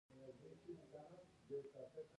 ټول کارګران په ډله ییزه توګه تولیدات کوي